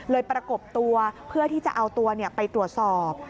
ประกบตัวเพื่อที่จะเอาตัวไปตรวจสอบ